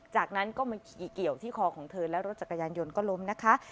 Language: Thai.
จากนั้นก็มาขี่เกี่ยวที่คอของเธอและรถจักรยานยนต์ก็ล้มนะคะ